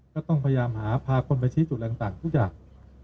ก็ต้องพยายามหาพาคนไปชี้จุดอะไรต่างทุกอย่าง